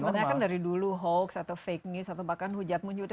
sebenarnya kan dari dulu hoax atau fake news atau bahkan hujat munyut